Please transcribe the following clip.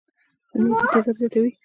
د معدې تېزابيت زياتوي